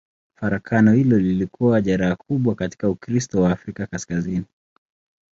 Farakano hilo lilikuwa jeraha kubwa katika Ukristo wa Afrika Kaskazini.